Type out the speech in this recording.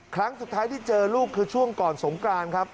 ครั้งสุดท้ายที่เจอลูกคือช่วงก่อนสงกรานครับ